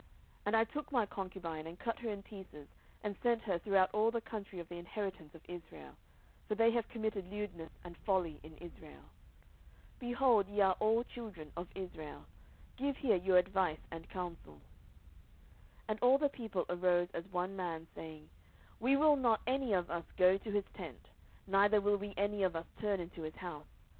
07:020:006 And I took my concubine, and cut her in pieces, and sent her throughout all the country of the inheritance of Israel: for they have committed lewdness and folly in Israel. 07:020:007 Behold, ye are all children of Israel; give here your advice and counsel. 07:020:008 And all the people arose as one man, saying, We will not any of us go to his tent, neither will we any of us turn into his house.